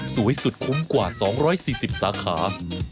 สวยสุดคุ้มกว่า๒๔๐สาขา